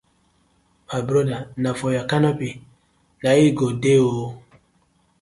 My broda na for yur canopy na it go dey ooo.